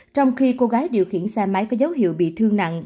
trong khi cô gái điều khiển xe máy có dấu hiệu bị thương nặng